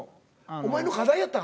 お前の課題やったん？